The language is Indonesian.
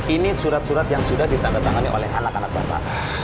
ini surat surat yang sudah ditandatangani oleh anak anak bapak